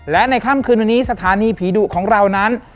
และในค่ำคืนวันนี้สถานีผีดุของเรานั้น